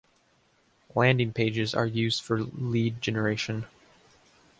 Landing pages are used for lead generation.